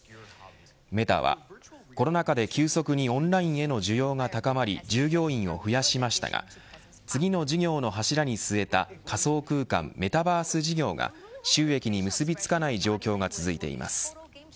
メタはコロナ禍で急速にオンラインへの需要が高まり従業員を増やしましたが次の事業の柱に据えた仮想空間、メタバース事業が収益に結びつかない状況が続いています。